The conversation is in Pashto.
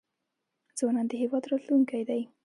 ځوانان د هیواد راتلونکی دی